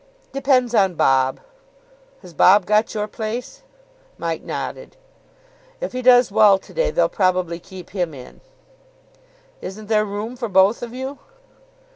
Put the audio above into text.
"Depends on Bob." "Has Bob got your place?" Mike nodded. "If he does well to day, they'll probably keep him in." "Isn't there room for both of you?"